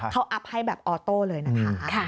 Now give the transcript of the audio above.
เขาอัพให้แบบออโต้เลยนะคะ